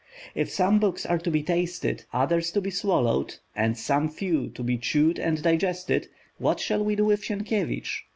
If some books are to be tasted, others to be swallowed, and some few to be chewed and digested, what shall we do with Sienkiewicz?